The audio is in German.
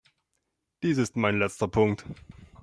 Dies ist mein letzter Punkt.